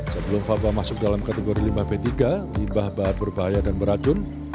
sebelum fatwa masuk dalam kategori limbah p tiga limbah bahan berbahaya dan beracun